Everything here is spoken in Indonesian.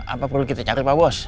apa perlu kita catat pak bos